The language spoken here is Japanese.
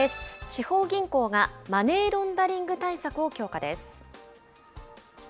地方銀行がマネーロンダリング対策を強化です。